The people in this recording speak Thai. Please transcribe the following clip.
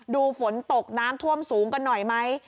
ดูฝนตกน้ำท่วมสูงกันหน่อยไหม